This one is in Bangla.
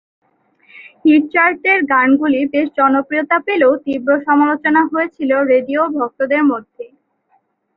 হিট চার্টে গানগুলি বেশ জনপ্রিয়তা পেলেও তীব্র সমালোচনা হয়েছিল রেডিও ও ভক্তদের মধ্যে।